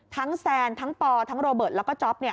แซนทั้งปอทั้งโรเบิร์ตแล้วก็จ๊อป